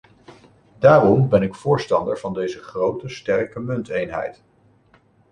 Daarom ben ik voorstander van deze grote, sterke munteenheid.